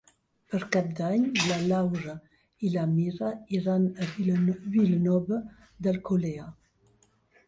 Per Cap d'Any na Laura i na Mira iran a Vilanova d'Alcolea.